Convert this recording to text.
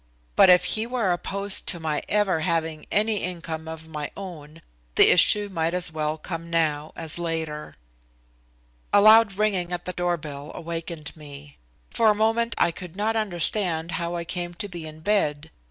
But if he were opposed to my ever having any income of my own the issue might as well come now as later. A loud ringing at the doorbell awakened me. For a moment I could not understand how I came to be in bed.